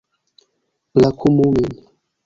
Brakumu min.